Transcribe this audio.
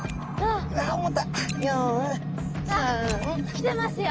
きてますよ！